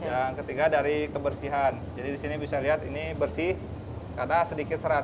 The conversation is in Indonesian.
yang ketiga dari kebersihan jadi di sini bisa lihat ini bersih karena sedikit serat